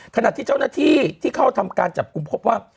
ขณะที่เจ้าหน้าที่ที่เข้าทำการจับกลุ่มพบว่า